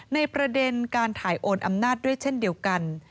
ในประเด็นการถ่ายโอนอำนาจด้วยเช่นเดียวกัน